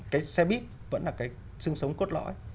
cái xe bít vẫn là cái sương sống cốt lõi